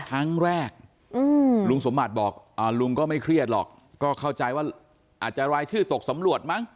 ครั้งแรกลุงสมบัติบอกลุงก็ไม่เครียดหรอกก็เข้าใจว่าอาจจะรายชื่อตกสำรวจมั้ง